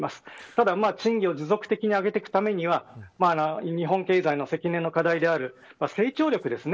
ただ賃金を持続的に上げていくためには日本経済の積年の課題である成長力です。